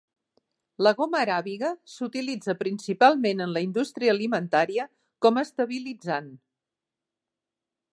La goma aràbiga s'utilitza principalment en la indústria alimentària com a estabilitzant.